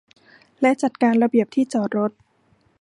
และการจัดระเบียบที่จอดรถ